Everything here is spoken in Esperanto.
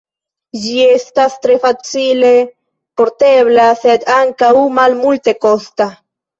Ĝi estas tre facile portebla, sed ankaŭ malmultekosta.